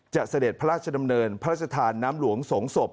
เสด็จพระราชดำเนินพระราชทานน้ำหลวงสงศพ